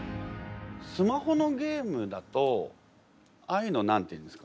スマホのゲームだとああいうの何て言うんですか？